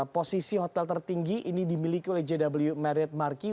posisi hotel tertinggi ini dimiliki oleh jw marriott marquee